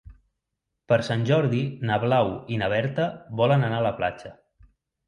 Per Sant Jordi na Blau i na Berta volen anar a la platja.